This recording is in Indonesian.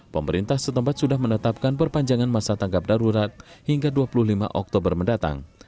pemerintah setempat sudah menetapkan perpanjangan masa tanggap darurat hingga dua puluh lima oktober mendatang